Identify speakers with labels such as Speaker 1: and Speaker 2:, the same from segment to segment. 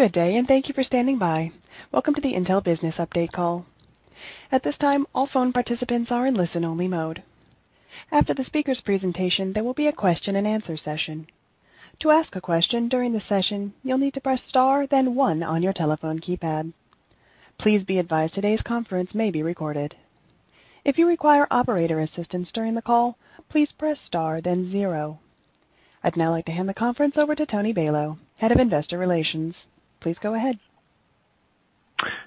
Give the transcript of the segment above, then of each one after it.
Speaker 1: Good day, and thank you for standing by. Welcome to the Intel Business Update Call. At this time, all phone participants are in listen-only mode. After the speaker's presentation, there will be a question-and-answer session. To ask a question during the session, you'll need to press star, then one on your telephone keypad. Please be advised today's conference may be recorded. If you require operator assistance during the call, please press star, then zero. I'd now like to hand the conference over to Tony Balow, Head of Investor Relations. Please go ahead.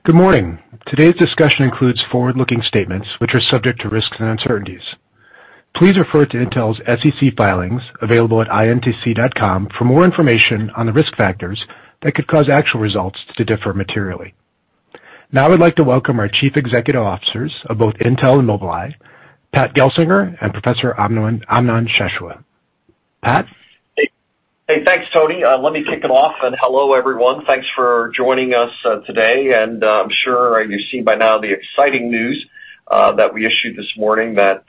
Speaker 2: Good morning. Today's discussion includes forward-looking statements which are subject to risks and uncertainties. Please refer to Intel's SEC filings available at intc.com for more information on the risk factors that could cause actual results to differ materially. Now I'd like to welcome our Chief Executive Officers of both Intel and Mobileye, Pat Gelsinger and Professor Amnon Shashua. Pat?
Speaker 3: Hey. Hey, thanks, Tony. Let me kick it off. Hello, everyone. Thanks for joining us today. I'm sure you've seen by now the exciting news that we issued this morning that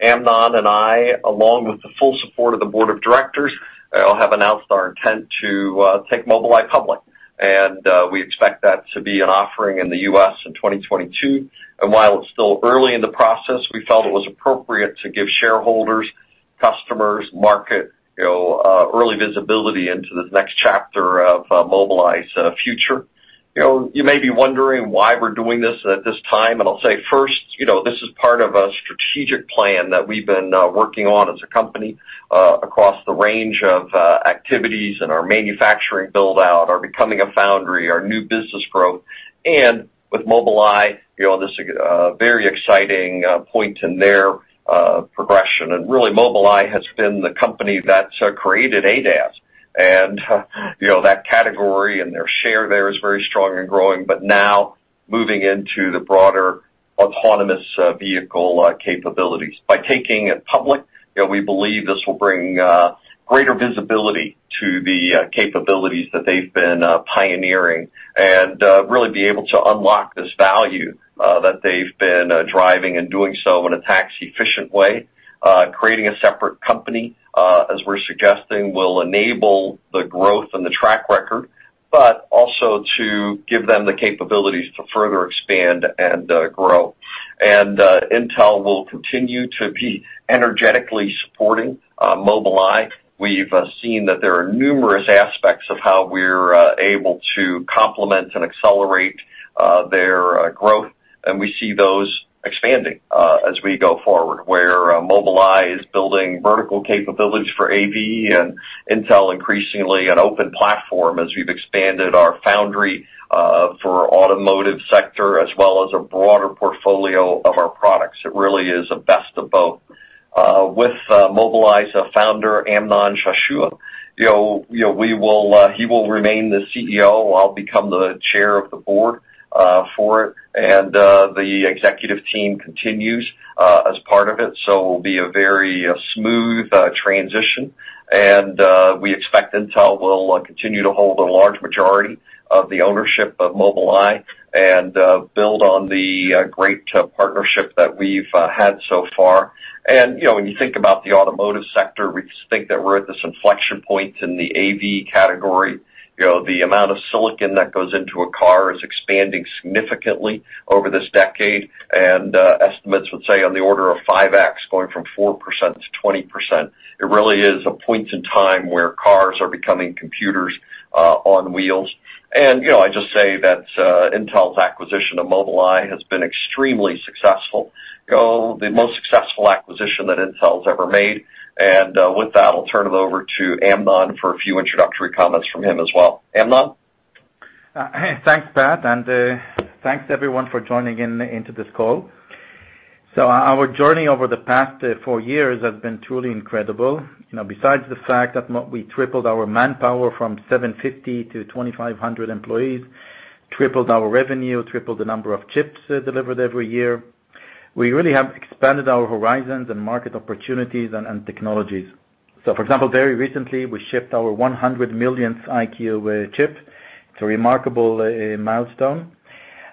Speaker 3: Amnon and I, along with the full support of the board of directors, have announced our intent to take Mobileye public. We expect that to be an offering in the U.S. in 2022. While it's still early in the process, we felt it was appropriate to give shareholders, customers, market, you know, early visibility into this next chapter of Mobileye's future. You know, you may be wondering why we're doing this at this time, and I'll say first, you know, this is part of a strategic plan that we've been working on as a company across the range of activities and our manufacturing build-out, our becoming a foundry, our new business growth. With Mobileye, you know, this very exciting point in their progression. Really, Mobileye has been the company that's created ADAS. You know, that category and their share there is very strong and growing, but now moving into the broader autonomous vehicle capabilities. By taking it public, you know, we believe this will bring greater visibility to the capabilities that they've been pioneering and really be able to unlock this value that they've been driving and doing so in a tax-efficient way. Creating a separate company, as we're suggesting, will enable the growth and the track record, but also to give them the capabilities to further expand and grow. Intel will continue to be energetically supporting Mobileye. We've seen that there are numerous aspects of how we're able to complement and accelerate their growth, and we see those expanding as we go forward, where Mobileye is building vertical capabilities for AV and Intel increasingly an open platform as we've expanded our foundry for automotive sector, as well as a broader portfolio of our products. It really is the best of both. With Mobileye's founder, Amnon Shashua, you know, he will remain the CEO. I'll become the chair of the board for it, and the executive team continues as part of it. It'll be a very smooth transition. We expect Intel will continue to hold a large majority of the ownership of Mobileye and build on the great partnership that we've had so far. You know, when you think about the automotive sector, we think that we're at this inflection point in the AV category. You know, the amount of silicon that goes into a car is expanding significantly over this decade, and estimates would say on the order of 5x, going from 4% to 20%. It really is a point in time where cars are becoming computers on wheels. You know, I'd just say that Intel's acquisition of Mobileye has been extremely successful. You know, the most successful acquisition that Intel's ever made. With that, I'll turn it over to Amnon for a few introductory comments from him as well. Amnon?
Speaker 4: Hey, thanks, Pat, and thanks everyone for joining in into this call. Our journey over the past four years has been truly incredible. You know, besides the fact that we tripled our manpower from 750 to 2,500 employees, tripled our revenue, tripled the number of chips delivered every year, we really have expanded our horizons and market opportunities and technologies. For example, very recently, we shipped our 100 millionth EyeQ chip. It's a remarkable milestone.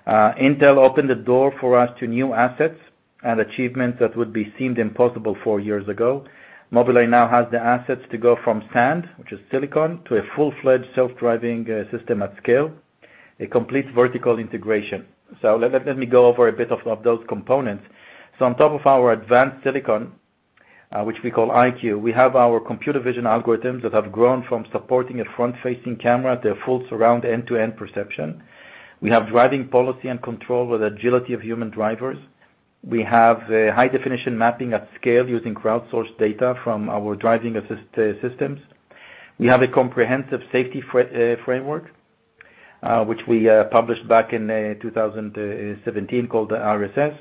Speaker 4: Intel opened the door for us to new assets and achievements that would be seemed impossible four years ago. Mobileye now has the assets to go from sand, which is silicon, to a full-fledged self-driving system at scale, a complete vertical integration. Let me go over a bit of those components. On top of our advanced silicon, which we call EyeQ, we have our computer vision algorithms that have grown from supporting a front-facing camera to a full surround end-to-end perception. We have driving policy and control with agility of human drivers. We have high-definition mapping at scale using crowdsourced data from our driving assist systems. We have a comprehensive safety framework, which we published back in 2017 called RSS.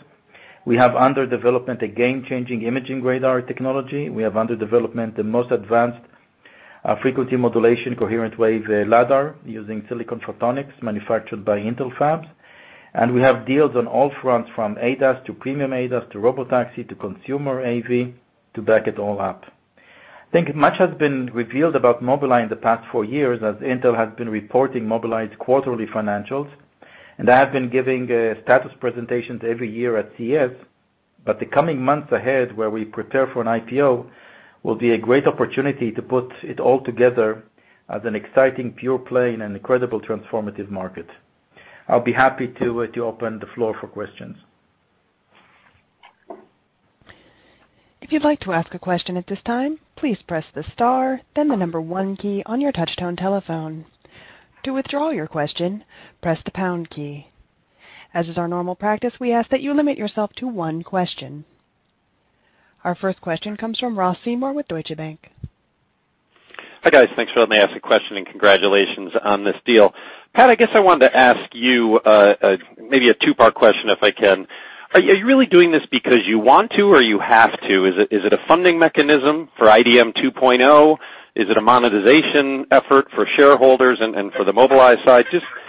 Speaker 4: We have under development a game-changing imaging radar technology. We have under development the most advanced frequency-modulated continuous wave LiDAR using Silicon Photonics manufactured by Intel fabs. We have deals on all fronts, from ADAS to premium ADAS to robotaxi to consumer AV to back it all up. I think much has been revealed about Mobileye in the past four years as Intel has been reporting Mobileye's quarterly financials, and I have been giving status presentations every year at CES. The coming months ahead, where we prepare for an IPO, will be a great opportunity to put it all together as an exciting pure play in an incredible transformative market. I'll be happy to open the floor for questions.
Speaker 1: If you'd like to ask a question at this time, please press the star, then the number one key on your touchtone telephone. To withdraw your question, press the pound key. As is our normal practice, we ask that you limit yourself to one question. Our first question comes from Ross Seymore with Deutsche Bank.
Speaker 5: Hi, guys. Thanks for letting me ask a question, and congratulations on this deal. Pat, I guess I wanted to ask you maybe a two-part question if I can. Are you really doing this because you want to or you have to? Is it a funding mechanism for IDM 2.0? Is it a monetization effort for shareholders and for the Mobileye side?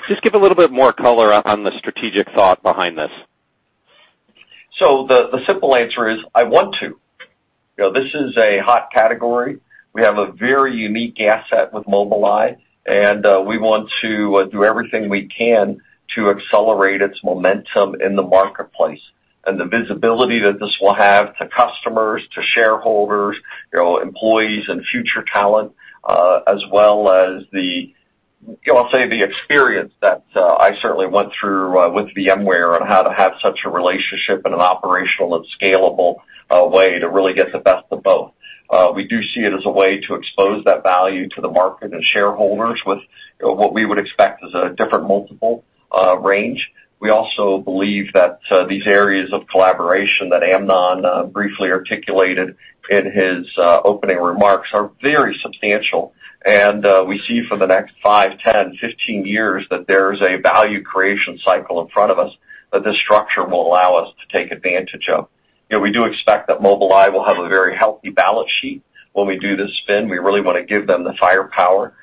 Speaker 5: Just give a little bit more color on the strategic thought behind this.
Speaker 3: The simple answer is I want to. You know, this is a hot category. We have a very unique asset with Mobileye, and we want to do everything we can to accelerate its momentum in the marketplace. The visibility that this will have to customers, to shareholders, you know, employees and future talent, as well as, you know, I'll say the experience that I certainly went through with VMware on how to have such a relationship in an operational and scalable way to really get the best of both. We do see it as a way to expose that value to the market and shareholders with, you know, what we would expect is a different multiple range. We also believe that these areas of collaboration that Amnon briefly articulated in his opening remarks are very substantial. We see for the next 5, 10, 15 years that there's a value creation cycle in front of us that this structure will allow us to take advantage of. You know, we do expect that Mobileye will have a very healthy balance sheet when we do this spin. We really wanna give them the firepower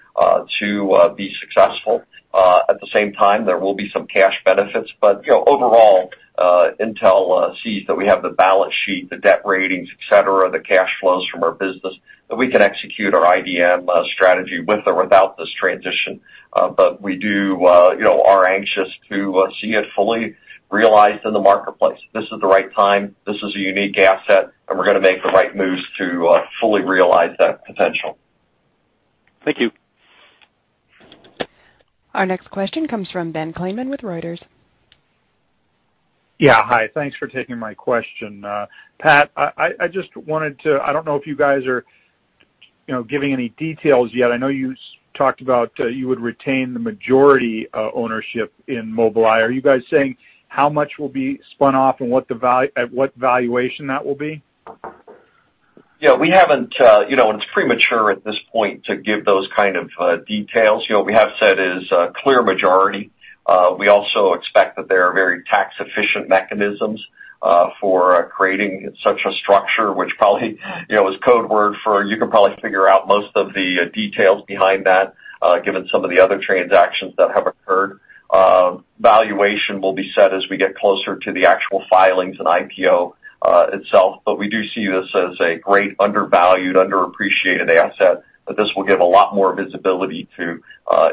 Speaker 3: to be successful. At the same time, there will be some cash benefits. You know, overall, Intel sees that we have the balance sheet, the debt ratings, et cetera, the cash flows from our business, that we can execute our IDM strategy with or without this transition. We do, you know, are anxious to see it fully realized in the marketplace. This is the right time. This is a unique asset, and we're gonna make the right moves to fully realize that potential.
Speaker 5: Thank you.
Speaker 1: Our next question comes from Ben Klayman with Reuters.
Speaker 6: Yeah. Hi. Thanks for taking my question. Pat, I just wanted to—I don't know if you guys are, you know, giving any details yet. I know you talked about you would retain the majority ownership in Mobileye. Are you guys saying how much will be spun off and at what valuation that will be?
Speaker 3: Yeah. We haven't, you know, and it's premature at this point to give those kind of details. You know, what we have said is a clear majority. We also expect that there are very tax-efficient mechanisms for creating such a structure, which probably you know, is code word for you can probably figure out most of the details behind that, given some of the other transactions that have occurred. Valuation will be set as we get closer to the actual filings and IPO itself. We do see this as a great undervalued, underappreciated asset that this will give a lot more visibility to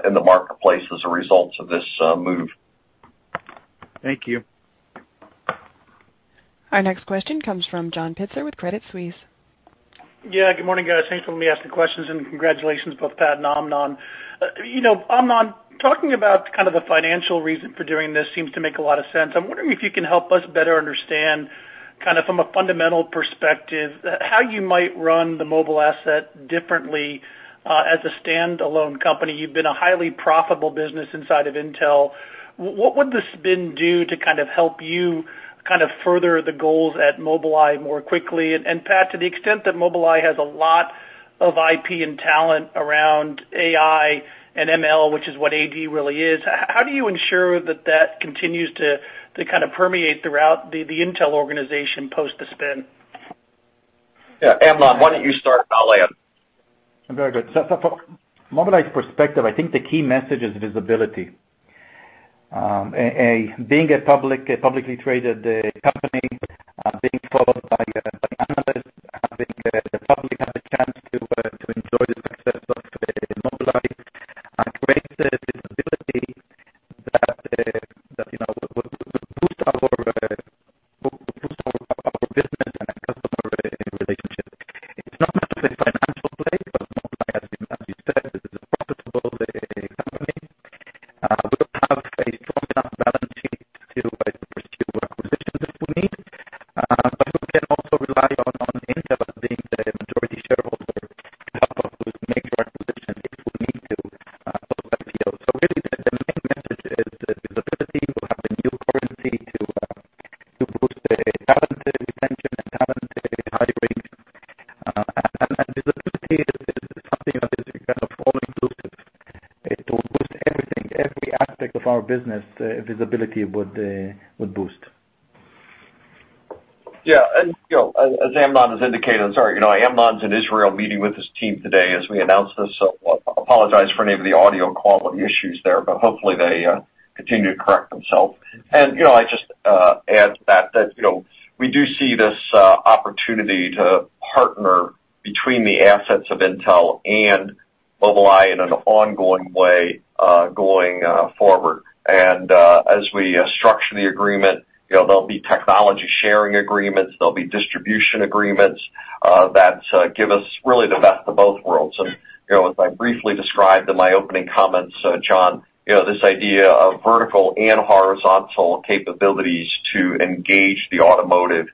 Speaker 3: in the marketplace as a result of this move.
Speaker 6: Thank you.
Speaker 1: Our next question comes from John Pitzer with Credit Suisse.
Speaker 7: Yeah. Good morning, guys. Thanks for letting me ask the questions. Congratulations both Pat and Amnon. You know, Amnon, talking about kind of the financial reason for doing this seems to make a lot of sense. I'm wondering if you can help us better understand kind of from a fundamental perspective how you might run the Mobileye asset differently as a standalone company. You've been a highly profitable business inside of Intel. What would the spin do to kind of help you kind of further the goals at Mobileye more quickly? Pat, to the extent that Mobileye has a lot of IP and talent around AI and ML, which is what AV really is, how do you ensure that that continues to kind of permeate throughout the Intel organization post the spin?
Speaker 3: Yeah. Amnon, why don't you start and I'll add.
Speaker 4: Very good. From Mobileye's perspective, I think the key message is visibility. Being a publicly traded company, being followed by analysts, having the public have a chance
Speaker 3: you know, there'll be technology sharing agreements, there'll be distribution agreements that give us really the best of both worlds. You know, as I briefly described in my opening comments, John, you know, this idea of vertical and horizontal capabilities to engage the automotive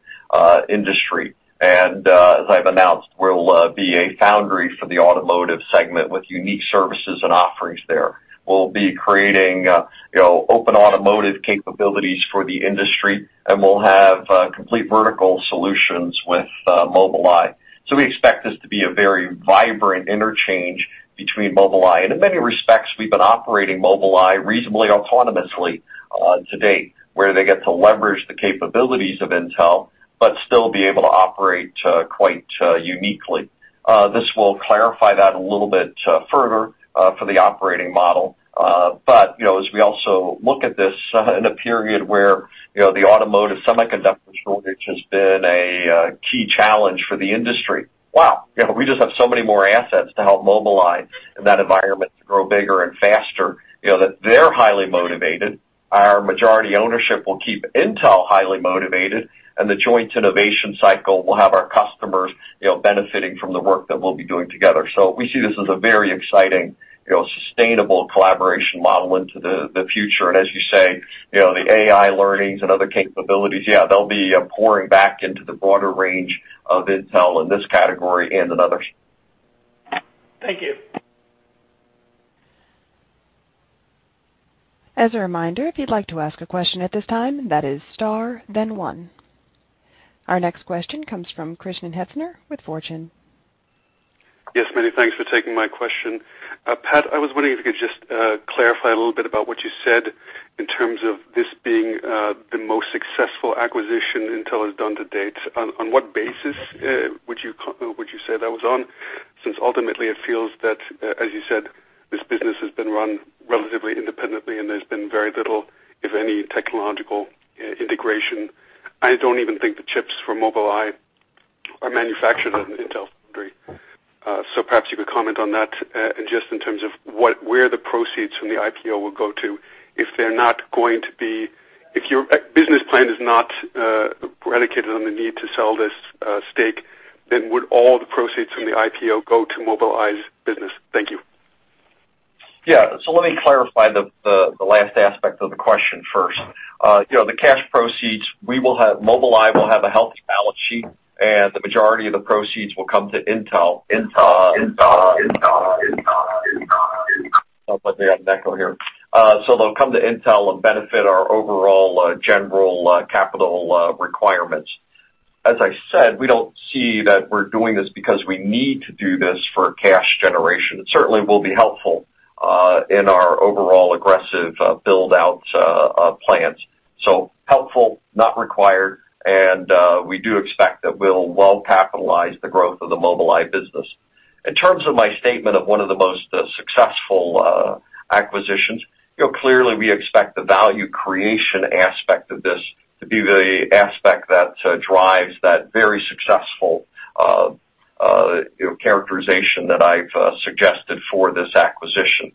Speaker 3: industry. As I've announced, we'll be a foundry for the automotive segment with unique services and offerings there. We'll be creating, you know, open automotive capabilities for the industry, and we'll have complete vertical solutions with Mobileye. We expect this to be a very vibrant interchange between Mobileye. In many respects, we've been operating Mobileye reasonably autonomously to date, where they get to leverage the capabilities of Intel but still be able to operate quite uniquely. This will clarify that a little bit further for the operating model. You know, as we also look at this in a period where, you know, the automotive semiconductor shortage has been a key challenge for the industry. Wow. You know, we just have so many more assets to help Mobileye in that environment to grow bigger and faster, you know, that they're highly motivated. Our majority ownership will keep Intel highly motivated, and the joint innovation cycle will have our customers, you know, benefiting from the work that we'll be doing together. We see this as a very exciting, you know, sustainable collaboration model into the future. As you say, you know, the AI learnings and other capabilities, yeah, they'll be pouring back into the broader range of Intel in this category and in others.
Speaker 7: Thank you.
Speaker 1: As a reminder, if you'd like to ask a question at this time, that is star then one. Our next question comes from Christiaan Hetzner with Fortune.
Speaker 8: Yes, many thanks for taking my question. Pat, I was wondering if you could just clarify a little bit about what you said in terms of this being the most successful acquisition Intel has done to date. On what basis would you say that was on? Since ultimately it feels that, as you said, this business has been run relatively independently, and there's been very little, if any, technological integration. I don't even think the chips from Mobileye are manufactured at an Intel fab. Perhaps you could comment on that, and just in terms of where the proceeds from the IPO will go to if your business plan is not predicated on the need to sell this stake, then would all the proceeds from the IPO go to Mobileye's business? Thank you.
Speaker 3: Let me clarify the last aspect of the question first. You know, the cash proceeds, Mobileye will have a healthy balance sheet, and the majority of the proceeds will come to Intel. Don't know why they have an echo here. They'll come to Intel and benefit our overall general capital requirements. As I said, we don't see that we're doing this because we need to do this for cash generation. It certainly will be helpful in our overall aggressive build-out plans. Helpful, not required, and we do expect that we'll well capitalize the growth of the Mobileye business. In terms of my statement of one of the most successful acquisitions, you know, clearly, we expect the value creation aspect of this to be the aspect that drives that very successful, you know, characterization that I've suggested for this acquisition.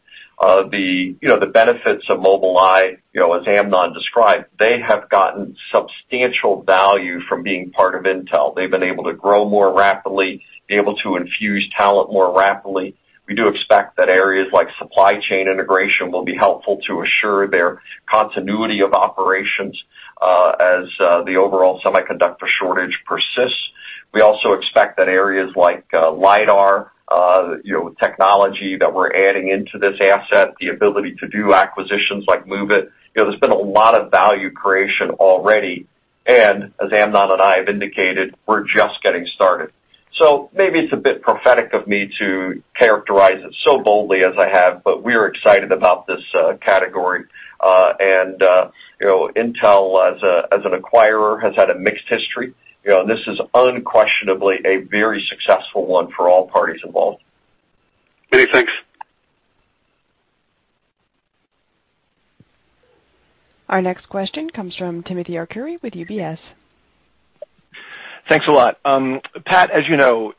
Speaker 3: The benefits of Mobileye, you know, as Amnon described, they have gotten substantial value from being part of Intel. They've been able to grow more rapidly, able to infuse talent more rapidly. We do expect that areas like supply chain integration will be helpful to assure their continuity of operations, as the overall semiconductor shortage persists. We also expect that areas like LIDAR, you know, technology that we're adding into this asset, the ability to do acquisitions like Moovit. You know, there's been a lot of value creation already. As Amnon and I have indicated, we're just getting started. Maybe it's a bit prophetic of me to characterize it so boldly as I have, but we're excited about this category. You know, Intel as an acquirer has had a mixed history, you know, and this is unquestionably a very successful one for all parties involved.
Speaker 8: Many thanks.
Speaker 1: Our next question comes from Timothy Arcuri with UBS.
Speaker 9: Thanks a lot. Pat, as you know,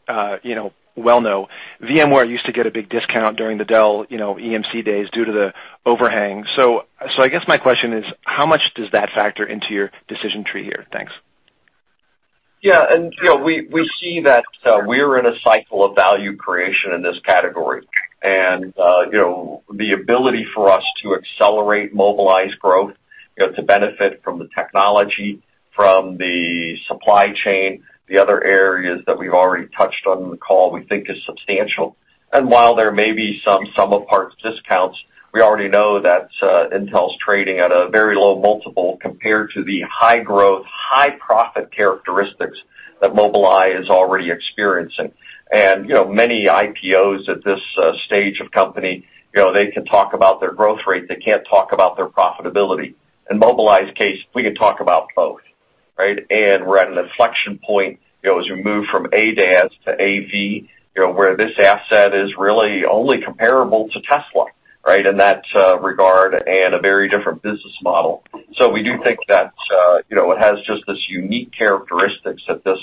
Speaker 9: you know, well-known, VMware used to get a big discount during the Dell, you know, EMC days due to the overhang. I guess my question is, how much does that factor into your decision tree here? Thanks.
Speaker 3: Yeah. You know, we see that we're in a cycle of value creation in this category. You know, the ability for us to accelerate Mobileye's growth, you know, to benefit from the technology, from the supply chain, the other areas that we've already touched on in the call, we think is substantial. While there may be some sum-of-parts discounts, we already know that Intel's trading at a very low multiple compared to the high growth, high profit characteristics that Mobileye is already experiencing. You know, many IPOs at this stage of company, you know, they can talk about their growth rate. They can't talk about their profitability. In Mobileye's case, we can talk about both, right? We're at an inflection point, you know, as we move from ADAS to AV, you know, where this asset is really only comparable to Tesla, right? In that regard and a very different business model. We do think that, you know, it has just this unique characteristics at this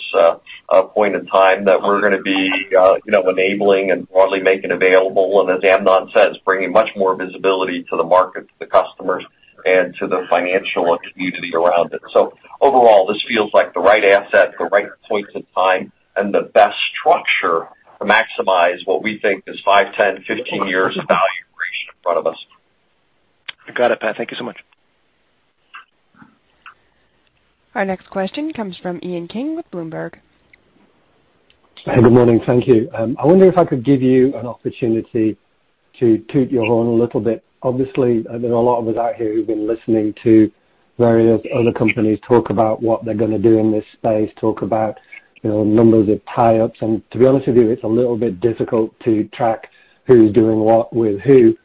Speaker 3: point in time that we're gonna be, you know, enabling and broadly making available, and as Amnon says, bringing much more visibility to the market, to the customers, and to the financial community around it. Overall, this feels like the right asset, the right point in time, and the best structure to maximize what we think is 5, 10, 15 years of value creation in front of us.
Speaker 9: I got it, Pat, thank you so much.
Speaker 1: Our next question comes from Ian King with Bloomberg.
Speaker 10: Hey, good morning. Thank you. I wonder if I could give you an opportunity to toot your own a little bit. Obviously, there are a lot of us out here who've been listening to various other companies talk about what they're gonna do in this space, talk about, you know, numbers of tie-ups. To be honest with you, it's a little bit difficult to track who's doing what with who.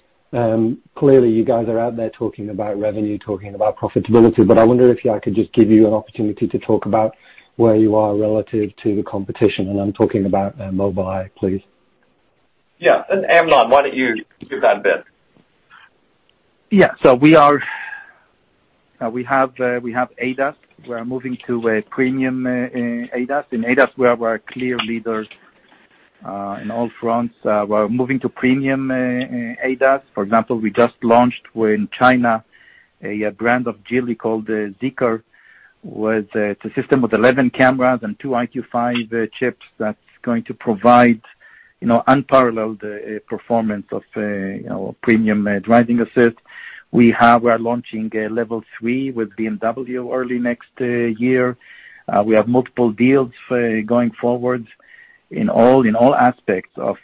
Speaker 10: Clearly, you guys are out there talking about revenue, talking about profitability. I wonder if I could just give you an opportunity to talk about where you are relative to the competition, and I'm talking about Mobileye, please.
Speaker 3: Yeah. Amnon, why don't you do that bit?
Speaker 4: Yeah. We have ADAS. We are moving to a premium ADAS. In ADAS, we were clear leaders in all fronts. We're moving to premium ADAS. For example, we just launched in China a brand of Geely called the ZEEKR, with it's a system with 11 cameras and two EyeQ5 chips that's going to provide, you know, unparalleled performance of, you know, premium driving assist. We're launching a Level 3 with BMW early next year. We have multiple deals going forward in all aspects of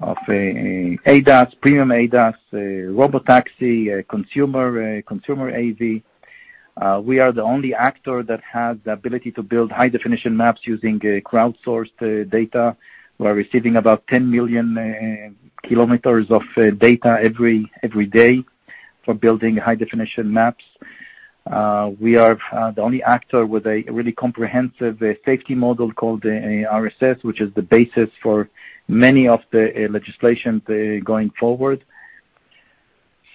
Speaker 4: ADAS, premium ADAS, robotaxi, consumer AV. We are the only actor that has the ability to build high-definition maps using crowdsourced data. We're receiving about 10 million kilometers of data every day for building high-definition maps. We are the only actor with a really comprehensive safety model called the RSS, which is the basis for many of the legislations going forward.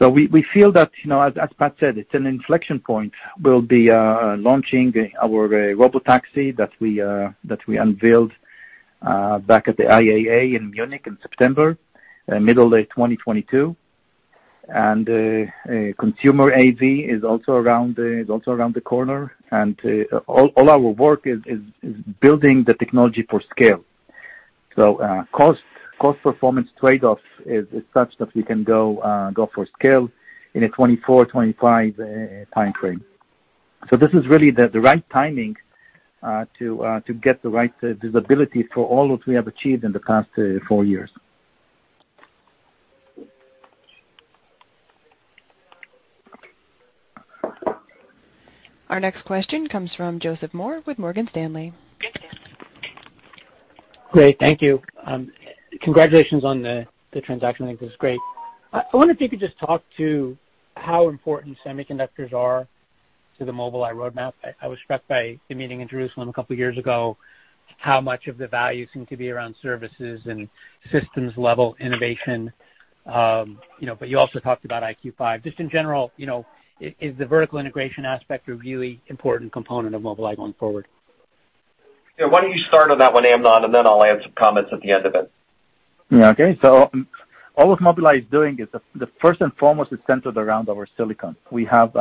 Speaker 4: We feel that, you know, as Pat said, it's an inflection point. We'll be launching our robotaxi that we unveiled back at the IAA in Munich in September, middle of 2022. Consumer AV is also around the corner. All our work is building the technology for scale. Cost performance trade-off is such that we can go for scale in a 2024-2025 time frame. This is really the right timing to get the right visibility for all that we have achieved in the past four years.
Speaker 1: Our next question comes from Joseph Moore with Morgan Stanley.
Speaker 11: Great. Thank you. Congratulations on the transaction. I think it's great. I wonder if you could just talk about how important semiconductors are to the Mobileye roadmap. I was struck by the meeting in Jerusalem a couple of years ago, how much of the value seemed to be around services and systems-level innovation. You know, but you also talked about EyeQ5. Just in general, you know, is the vertical integration aspect a really important component of Mobileye going forward?
Speaker 3: Yeah, why don't you start on that one, Amnon, and then I'll add some comments at the end of it.
Speaker 4: Yeah, okay. All of Mobileye is doing is the first and foremost centered around our silicon. We have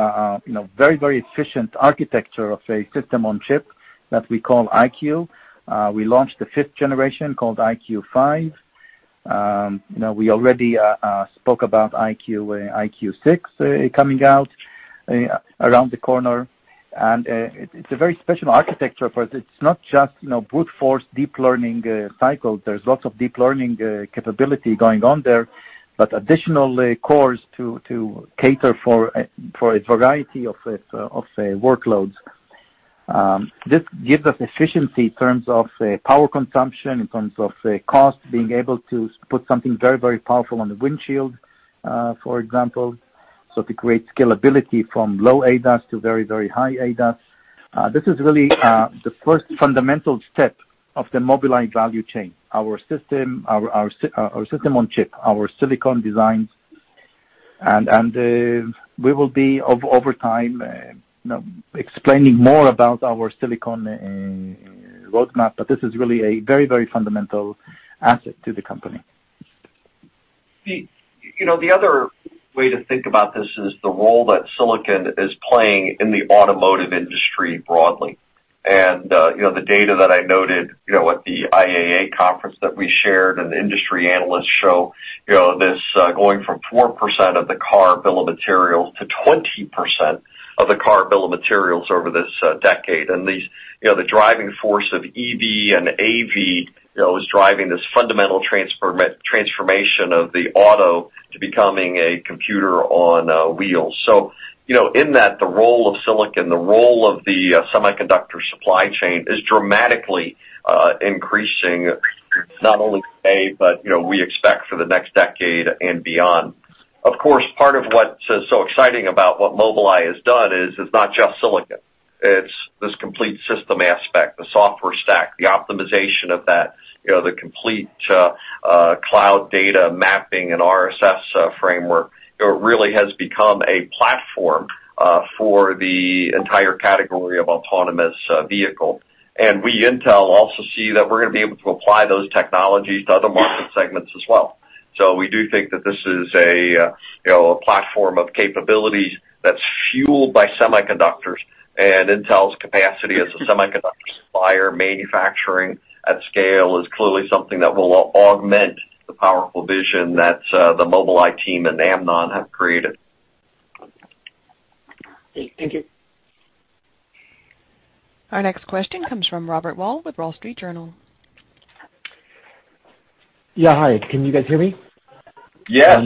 Speaker 4: very, very efficient architecture of a system on chip that we call EyeQ. We launched the fifth generation called EyeQ five. We already spoke about EyeQ6 coming out around the corner. It's a very special architecture, but it's not just brute force, deep learning cycles. There's lots of deep learning capability going on there, but additional cores to cater for a variety of workloads. This gives us efficiency in terms of power consumption, in terms of cost, being able to put something very, very powerful on the windshield for example. To create scalability from low ADAS to very, very high ADAS. This is really the first fundamental step of the Mobileye value chain, our system on chip, our silicon designs. We will be over time, you know, explaining more about our silicon roadmap, but this is really a very, very fundamental asset to the company.
Speaker 3: You know, the other way to think about this is the role that silicon is playing in the automotive industry broadly. You know, the data that I noted, you know, at the IAA conference that we shared and industry analysts show, you know, this going from 4% of the car bill of materials to 20% of the car bill of materials over this decade. These, you know, the driving force of EV and AV, you know, is driving this fundamental transformation of the auto to becoming a computer on wheels. You know, in that, the role of silicon, the role of the semiconductor supply chain is dramatically increasing not only today, but you know, we expect for the next decade and beyond. Of course, part of what's so exciting about what Mobileye has done is it's not just silicon, it's this complete system aspect, the software stack, the optimization of that, you know, the complete cloud data mapping and RSS framework. It really has become a platform for the entire category of autonomous vehicle. We, Intel, also see that we're gonna be able to apply those technologies to other market segments as well. We do think that this is a, you know, a platform of capabilities that's fueled by semiconductors, and Intel's capacity as a semiconductor supplier, manufacturing at scale is clearly something that will augment the powerful vision that the Mobileye team and Amnon have created.
Speaker 11: Okay. Thank you.
Speaker 1: Our next question comes from Robert Wall with Wall Street Journal.
Speaker 12: Yeah. Hi, can you guys hear me?
Speaker 3: Yes.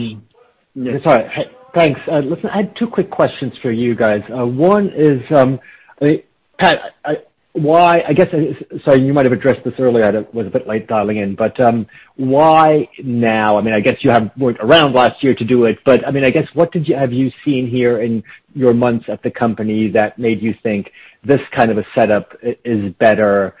Speaker 12: Sorry. Thanks. Listen, I had two quick questions for you guys. One is, Pat, why, I guess. Sorry, you might have addressed this earlier. I was a bit late dialing in. Why now? I mean, I guess you haven't worked around last year to do it, but, I mean, I guess, what have you seen here in your months at the company that made you think this kind of a setup is better,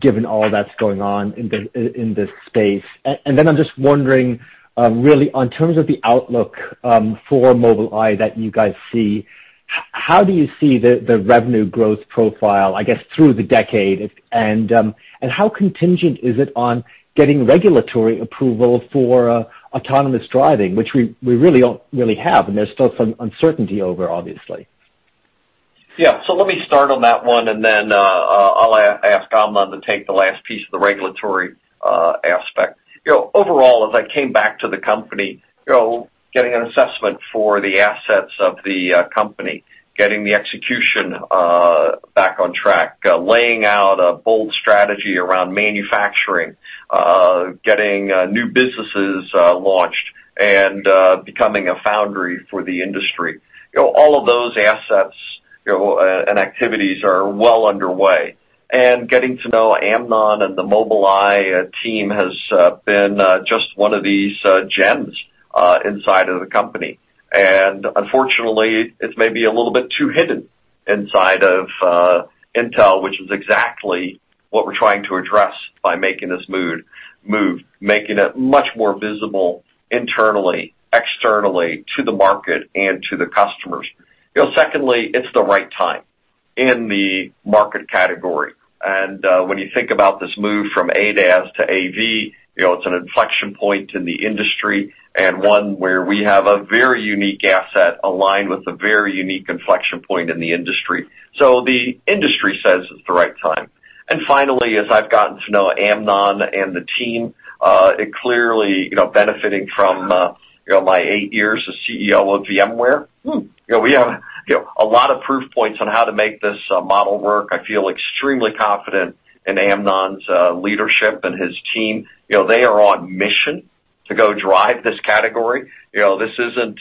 Speaker 12: given all that's going on in this space? Then I'm just wondering, really in terms of the outlook, for Mobileye that you guys see, how do you see the revenue growth profile, I guess, through the decade? How contingent is it on getting regulatory approval for autonomous driving, which we really don't have, and there's still some uncertainty over, obviously?
Speaker 3: Yeah. Let me start on that one, and then, I'll ask Amnon to take the last piece of the regulatory aspect. You know, overall, as I came back to the company, you know, getting an assessment for the assets of the company, getting the execution back on track, laying out a bold strategy around manufacturing, getting new businesses launched and becoming a foundry for the industry. You know, all of those assets, you know, and activities are well underway. Getting to know Amnon and the Mobileye team has been just one of these gems inside of the company. Unfortunately, it's maybe a little bit too hidden inside of Intel, which is exactly what we're trying to address by making this move, making it much more visible internally, externally to the market and to the customers. You know, secondly, it's the right time in the market category. When you think about this move from ADAS to AV, you know, it's an inflection point in the industry and one where we have a very unique asset aligned with a very unique inflection point in the industry. So the industry says it's the right time. Finally, as I've gotten to know Amnon and the team, it clearly, you know, benefiting from, you know, my eight years as CEO of VMware. You know, we have, you know, a lot of proof points on how to make this model work. I feel extremely confident in Amnon's leadership and his team. You know, they are on mission to go drive this category. You know, this isn't,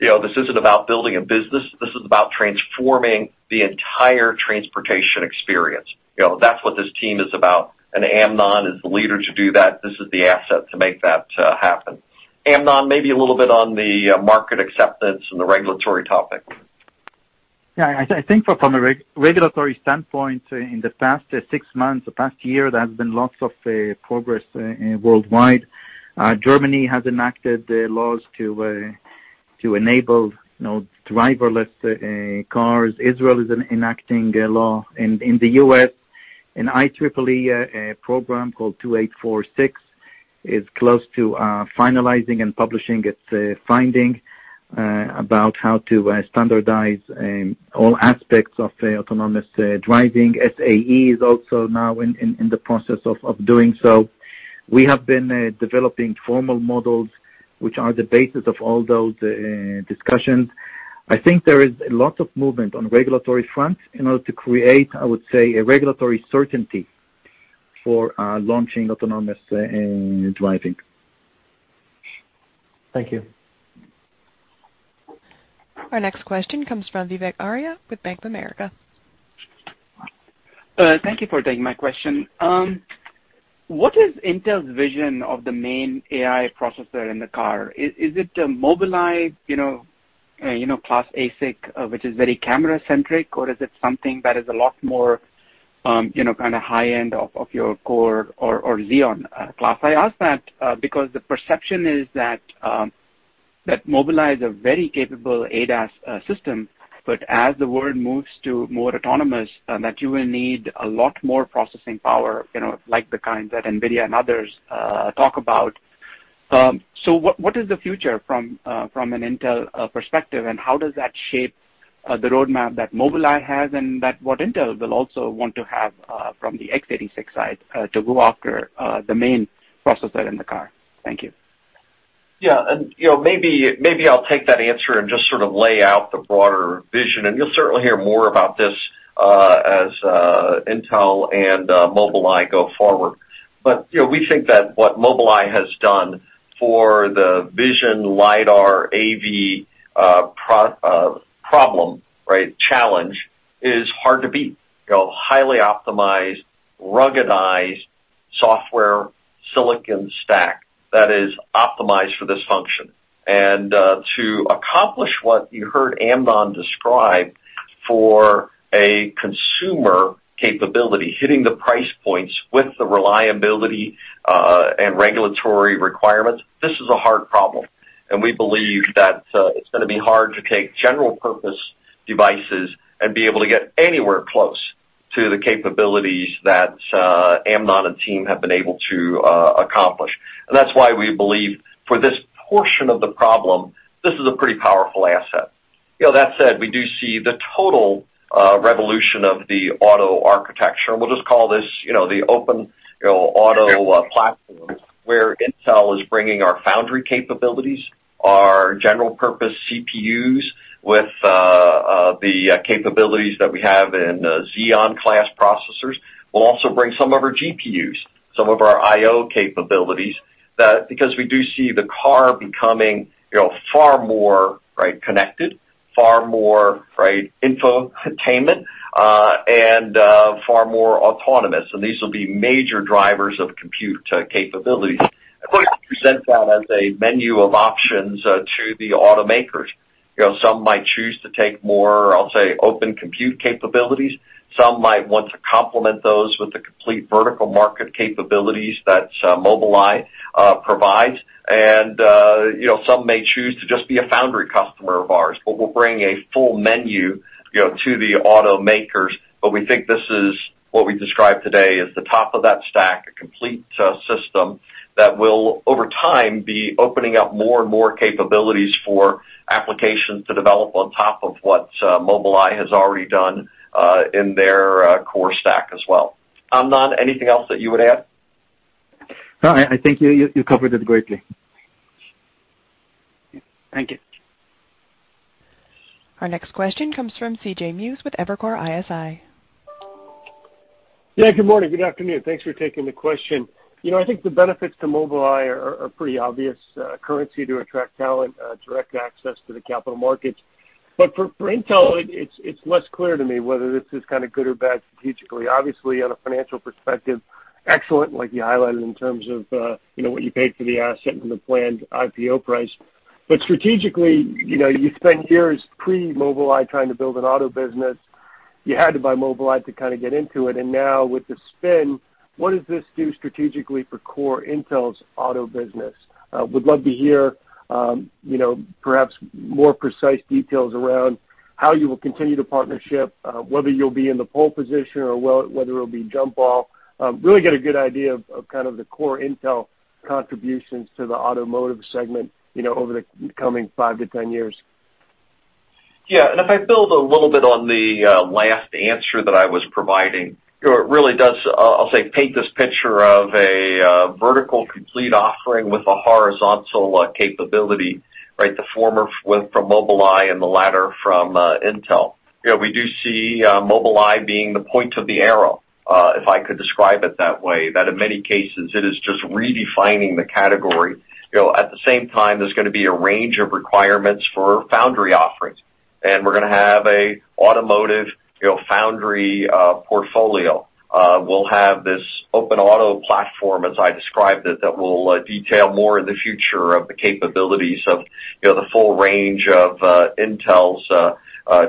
Speaker 3: you know, this isn't about building a business, this is about transforming the entire transportation experience. You know, that's what this team is about, and Amnon is the leader to do that. This is the asset to make that happen. Amnon, maybe a little bit on the market acceptance and the regulatory topic.
Speaker 4: Yeah, I think from a regulatory standpoint, in the past six months, the past year, there has been lots of progress worldwide. Germany has enacted laws to enable, you know, driverless cars. Israel is enacting a law. In the U.S., an IEEE program called 2846 is close to finalizing and publishing its finding about how to standardize all aspects of autonomous driving. SAE is also now in the process of doing so. We have been developing formal models, which are the basis of all those discussions. I think there is lots of movement on the regulatory front in order to create, I would say, a regulatory certainty for launching autonomous driving.
Speaker 12: Thank you.
Speaker 1: Our next question comes from Vivek Arya with Bank of America.
Speaker 13: Thank you for taking my question. What is Intel's vision of the main AI processor in the car? Is it a Mobileye, you know, class ASIC, which is very camera-centric, or is it something that is a lot more, you know, kinda high-end of your core or Xeon class? I ask that because the perception is that Mobileye is a very capable ADAS system, but as the world moves to more autonomous, that you will need a lot more processing power, you know, like the kind that NVIDIA and others talk about. What is the future from an Intel perspective, and how does that shape the roadmap that Mobileye has and that what Intel will also want to have from the x86 side to go after the main processor in the car? Thank you.
Speaker 3: Yeah. You know, maybe I'll take that answer and just sort of lay out the broader vision, and you'll certainly hear more about this, as Intel and Mobileye go forward. You know, we think that what Mobileye has done for the vision LIDAR AV problem, right? Challenge is hard to beat. You know, highly optimized, ruggedized software silicon stack that is optimized for this function. To accomplish what you heard Amnon describe for a consumer capability, hitting the price points with the reliability and regulatory requirements, this is a hard problem. We believe that it's gonna be hard to take general purpose devices and be able to get anywhere close to the capabilities that Amnon and team have been able to accomplish. That's why we believe for this portion of the problem, this is a pretty powerful asset. You know, that said, we do see the total revolution of the auto architecture. We'll just call this, you know, the open, you know, auto platform where Intel is bringing our foundry capabilities, our general purpose CPUs with the capabilities that we have in Xeon class processors. We'll also bring some of our GPUs, some of our IO capabilities, because we do see the car becoming, you know, far more, right, connected, far more, right, infotainment, and far more autonomous. These will be major drivers of compute capabilities. We're gonna present that as a menu of options to the automakers. You know, some might choose to take more, I'll say, open compute capabilities. Some might want to complement those with the complete vertical market capabilities that Mobileye provides. You know, some may choose to just be a foundry customer of ours, but we'll bring a full menu, you know, to the automakers. We think this is what we described today as the top of that stack, a complete system that will over time be opening up more and more capabilities for applications to develop on top of what Mobileye has already done in their core stack as well. Amnon, anything else that you would add?
Speaker 13: No, I think you covered it greatly. Thank you.
Speaker 1: Our next question comes from C.J. Muse with Evercore ISI.
Speaker 14: Yeah, good morning. Good afternoon. Thanks for taking the question. You know, I think the benefits to Mobileye are pretty obvious, currency to attract talent, direct access to the capital markets. But for Intel, it's less clear to me whether this is kinda good or bad strategically. Obviously on a financial perspective, excellent, like you highlighted in terms of, you know, what you paid for the asset and the planned IPO price. But strategically, you know, you spent years pre-Mobileye trying to build an auto business. You had to buy Mobileye to kinda get into it. Now with the spin, what does this do strategically for core Intel's auto business? Would love to hear, you know, perhaps more precise details around how you will continue the partnership, whether you'll be in the pole position or whether it'll be jump ball. Really get a good idea of kind of the core Intel contributions to the automotive segment, you know, over the coming 5-10 years.
Speaker 3: Yeah, if I build a little bit on the last answer that I was providing, you know, it really does, I'll say, paint this picture of a vertical complete offering with a horizontal capability, right? The former, from Mobileye, and the latter from Intel. You know, we do see Mobileye being the point of the arrow, if I could describe it that way, that in many cases it is just redefining the category. You know, at the same time, there's gonna be a range of requirements for foundry offerings. We're gonna have a automotive, you know, foundry portfolio. We'll have this open auto platform as I described it, that we'll detail more in the future of the capabilities of, you know, the full range of Intel's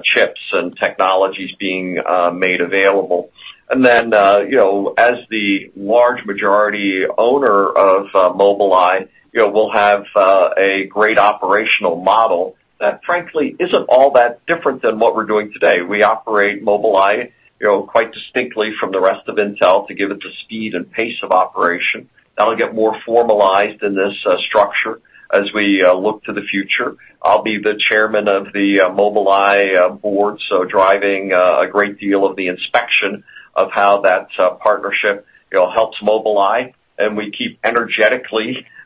Speaker 3: chips and technologies being made available. You know, as the large majority owner of Mobileye, you know, we'll have a great operational model that frankly isn't all that different than what we're doing today. We operate Mobileye, you know, quite distinctly from the rest of Intel to give it the speed and pace of operation. That'll get more formalized in this structure as we look to the future. I'll be the chairman of the Mobileye board, so driving a great deal of the direction of how that partnership, you know, helps Mobileye. We keep energetically, you know,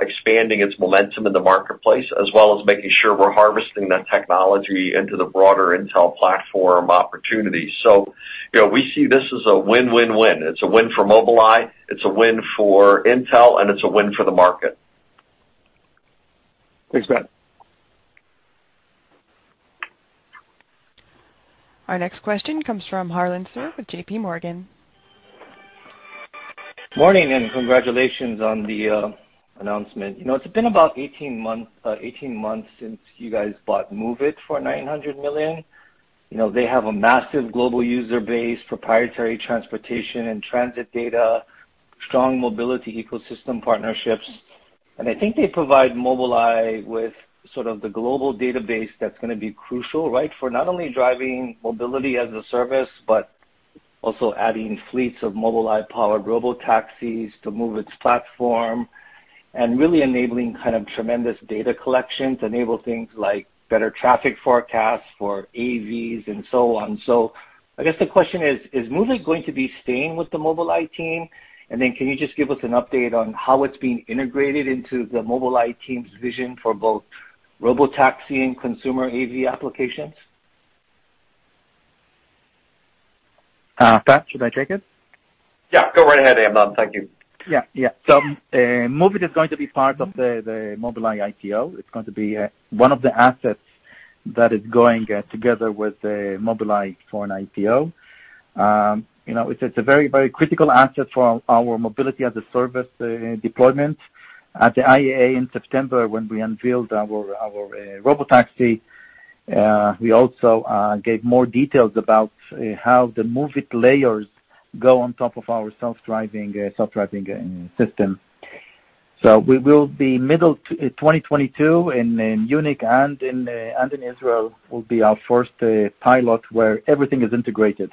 Speaker 3: expanding its momentum in the marketplace, as well as making sure we're harvesting that technology into the broader Intel platform opportunities. You know, we see this as a win-win-win. It's a win for Mobileye, it's a win for Intel, and it's a win for the market.
Speaker 14: Thanks, Pat.
Speaker 1: Our next question comes from Harlan Sur with J.P. Morgan.
Speaker 15: Morning, and congratulations on the announcement. You know, it's been about 18 months since you guys bought Moovit for $900 million. You know, they have a massive global user base, proprietary transportation and transit data, strong mobility ecosystem partnerships. I think they provide Mobileye with sort of the global database that's gonna be crucial, right? For not only driving mobility as a service, but also adding fleets of Mobileye-powered robotaxis to Moovit's platform and really enabling kind of tremendous data collections, enable things like better traffic forecasts for AVs, and so on. I guess the question is Moovit going to be staying with the Mobileye team? Then can you just give us an update on how it's being integrated into the Mobileye team's vision for both robotaxi and consumer AV applications?
Speaker 4: Pat, should I take it?
Speaker 3: Yeah, go right ahead, Amnon. Thank you.
Speaker 4: Yeah. Moovit is going to be part of the Mobileye IPO. It's going to be one of the assets that is going together with Mobileye for an IPO. You know, it's a very critical asset for our mobility as a service deployment. At the IAA in September, when we unveiled our robotaxi, we also gave more details about how the Moovit layers go on top of our self-driving system. We will be in 2022 in Munich and in Israel will be our first pilot where everything is integrated.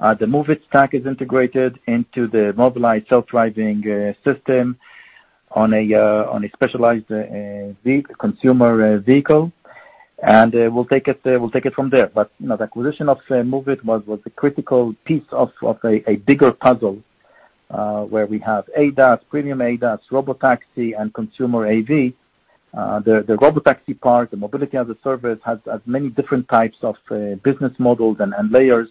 Speaker 4: The Moovit stack is integrated into the Mobileye self-driving system on a specialized consumer vehicle. We'll take it from there. You know, the acquisition of Moovit was a critical piece of a bigger puzzle where we have ADAS, premium ADAS, robotaxi, and consumer AV. The robotaxi part, the mobility as a service has many different types of business models and layers.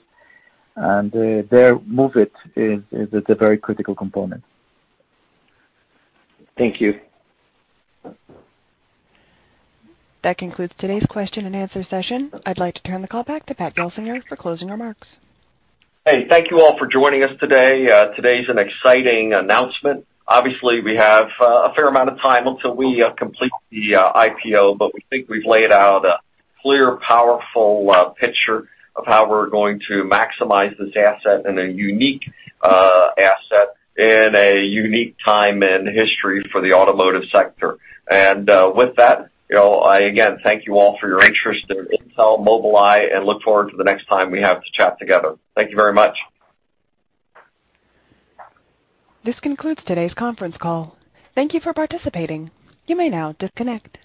Speaker 4: Moovit is a very critical component.
Speaker 15: Thank you.
Speaker 1: That concludes today's question and answer session. I'd like to turn the call back to Pat Gelsinger for closing remarks.
Speaker 3: Hey, thank you all for joining us today. Today's an exciting announcement. Obviously, we have a fair amount of time until we complete the IPO, but we think we've laid out a clear, powerful picture of how we're going to maximize this asset and a unique asset in a unique time in history for the automotive sector. With that, you know, I again thank you all for your interest in Intel Mobileye and look forward to the next time we have to chat together. Thank you very much.
Speaker 1: This concludes today's conference call. Thank you for participating. You may now disconnect.